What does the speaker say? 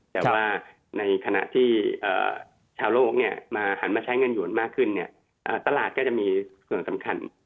แต่ว่าในขณะที่ชาวโลกหันมาใช้เงินหวนมากขึ้นตลาดก็จะมีส่วนสำคัญ